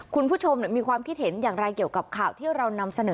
คุณผู้ชมมีความคิดเห็นอย่างไรเกี่ยวกับข่าวที่เรานำเสนอ